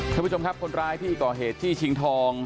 คุณผู้ชมครับคนรายพี่ก่อเหตุที่ชิงทอง